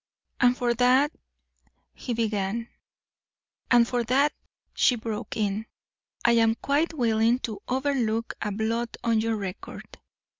"And for that " he began. "And for that," she broke in, "I am quite willing to overlook a blot on your record.